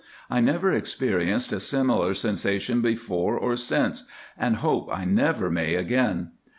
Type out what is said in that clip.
I never experienced a similar sensation before or since, and hope I never may again.